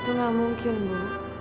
itu gak mungkin bu